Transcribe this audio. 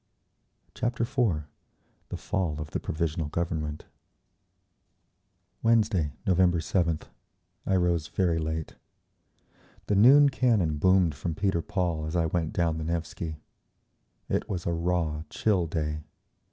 Chapter IV The Fall of the Provisional Government Wednesday, November 7th, I rose very late. The noon cannon boomed from Peter Paul as I went down the Nevsky. It was a raw, chill day.